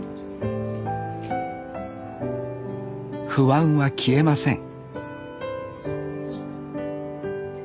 不安は消えません